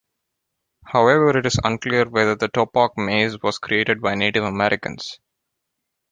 However, it is unclear whether the Topock Maze was created by Native Americans.